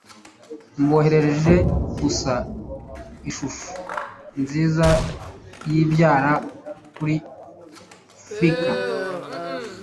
Mboherereje gusa ishusho nziza yibyara kuri Flickr.